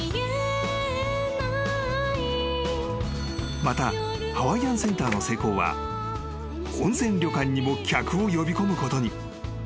［またハワイアンセンターの成功は温泉旅館にも客を呼びこむことに］